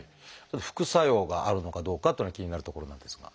副作用があるのかどうかというのが気になるところなんですが。